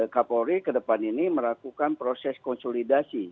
kapolri kedepan ini merakukan proses konsolidasi